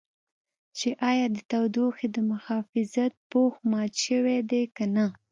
چې ایا د تودوخې د محافظت پوښ مات شوی دی که نه.